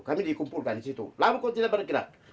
kami dikumpulkan di situ lama kok tidak bergerak